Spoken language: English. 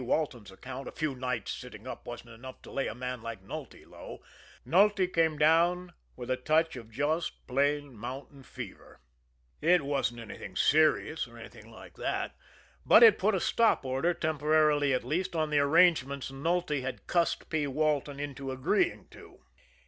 Walton's account a few nights sitting up wasn't enough to lay a man like Nulty low Nulty came down with a touch of just plain mountain fever. It wasn't serious, or anything like that; but it put a stop order, temporarily at least, on the arrangements Nulty had cussed P. Walton into agreeing to.